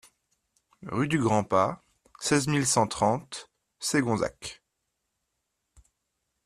Rue du Grand Pas, seize mille cent trente Segonzac